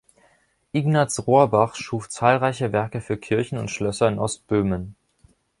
Ignaz Rohrbach schuf zahlreiche Werke für Kirchen und Schlösser in Ostböhmen.